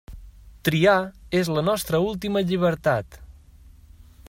Triar és la nostra última llibertat.